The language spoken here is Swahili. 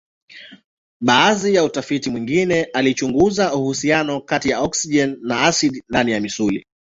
Baadhi ya utafiti mwingine alichunguza uhusiano kati ya oksijeni na asidi ndani ya misuli.